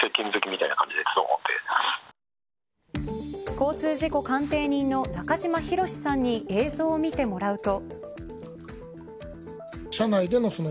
交通事故鑑定人の中島博史さんに映像を見てもらうと。